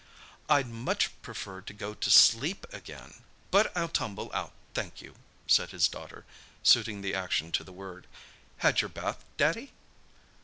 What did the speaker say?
"I'd much prefer to go to sleep again—but I'll tumble out, thank you," said his daughter, suiting the action to the word. "Had your bath, Daddy?